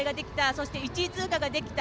そして、１位通過ができた。